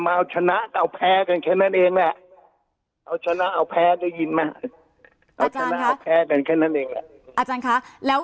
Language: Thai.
อาจารย์ค่ะ